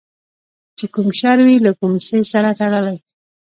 چې کوم شر وي له کوم څیز سره تړلی